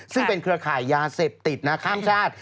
ซึ่งเป็นเครือข่ายยาเสพติดนะข้ามชาติ